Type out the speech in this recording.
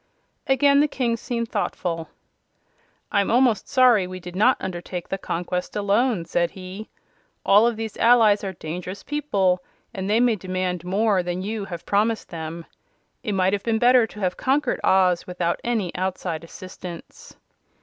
Again, the King seemed thoughtful. "I'm almost sorry we did not undertake the conquest alone," said he. "All of these allies are dangerous people, and they may demand more than you have promised them. It might have been better to have conquered Oz without any outside assistance."